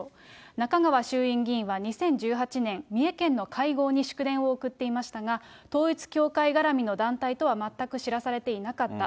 中川衆院議員は２０１８年、三重県の会合に祝電を送っていましたが、統一教会がらみの団体とは全く知らされていなかった。